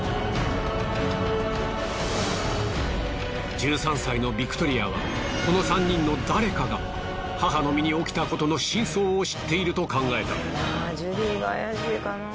１３歳のビクトリアはこの３人の誰かが母の身に起きたことの真相を知っていると考えた。